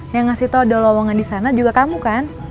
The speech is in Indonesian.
yang ngasih tau ada lowongan disana juga kamu kan